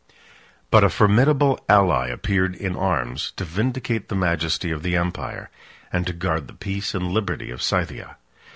But a formidable ally appeared in arms to vindicate the majesty of the empire, and to guard the peace and liberty of Scythia.